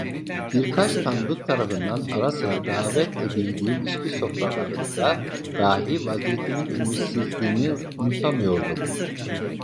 Birkaç tanıdık tarafından ara sıra davet edildiğim içki sofralarında dahi vaziyetimin ümitsizliğini unutamıyordum.